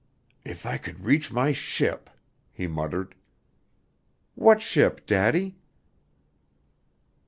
"If I could reach my ship," he muttered. "What ship, Daddy?"